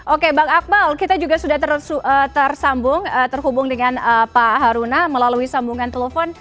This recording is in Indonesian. oke bang akmal kita juga sudah tersambung terhubung dengan pak haruna melalui sambungan telepon